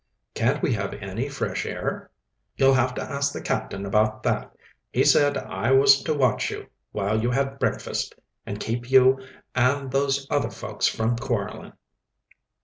"Can't we have any fresh air?" "You'll have to ask the captain about that He said I was to watch you while you had breakfast, and keep you and those other folks from quarreling."